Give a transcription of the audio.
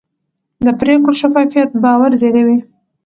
د پرېکړو شفافیت باور زېږوي